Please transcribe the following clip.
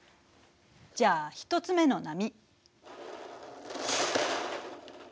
じゃあ１つ目の波。